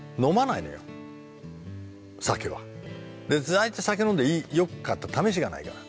大体酒を飲んでよかったためしがないから。